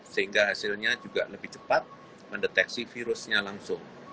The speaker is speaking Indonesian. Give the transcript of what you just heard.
sehingga hasilnya juga lebih cepat mendeteksi virusnya langsung